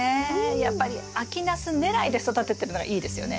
やっぱり秋ナスねらいで育ててるのがいいですよね。